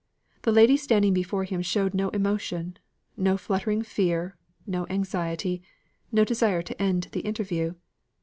The lady standing before him showed no emotion, no fluttering fear, no anxiety, no desire to end the interview.